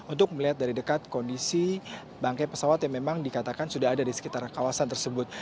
untuk melihat dari dekat kondisi bangkai pesawat yang memang dikatakan sudah ada di sekitar kawasan tersebut